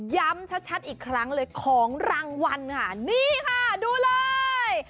ย้ำชัดอีกครั้งเลยของรางวัลค่ะนี่ค่ะดูเลย